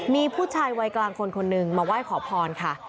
มีผู้ชายวัยกลางคนคนหนึ่งมาไหว้ขอพรค่ะ